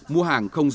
mua hàng không rõ